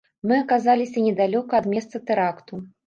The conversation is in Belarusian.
Мы аказаліся недалёка ад месца тэракту.